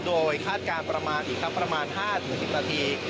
โดยคาดการณ์ประมาณอีกสักประมาณ๕๑๐นาที